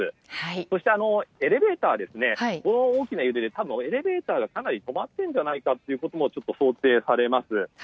そして、エレベーターがこの大きな揺れでエレベーターがかなり止まっていると想定されます。